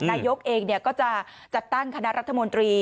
นายกเองก็จะจัดตั้งคณะรัฐมนตรี